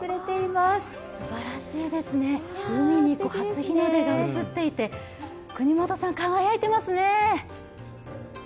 すばらしいですね、海に初日の出が映っていて國本さん、輝いてますね。